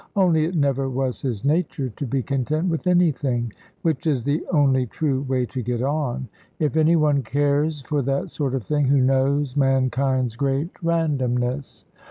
Only it never was his nature to be content with anything, which is the only true way to get on; if any one cares for that sort of thing, who knows mankind's great randomness.